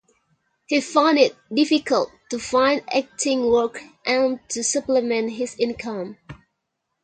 He found it difficult to find acting work and to supplement his income.